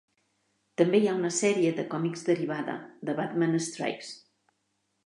També hi ha una sèrie de còmics derivada, The Batman Strikes!